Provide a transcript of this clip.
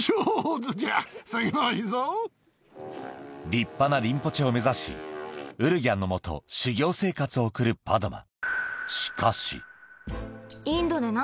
立派なリンポチェを目指しウルギャンのもと修行生活を送るパドマ